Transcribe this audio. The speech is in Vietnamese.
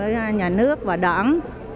với nhà nước và đoạn